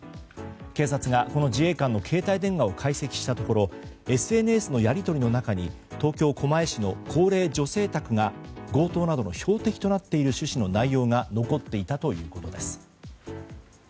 警察がこの自衛官の携帯電話を解析したところＳＮＳのやり取りの中に東京・狛江市の高齢女性宅が強盗などの標的となっている趣旨のやり取りが残っていたということです。